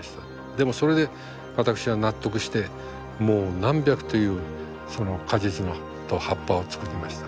でもそれで私は納得してもう何百という果実と葉っぱを作りました。